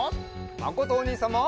まことおにいさんも！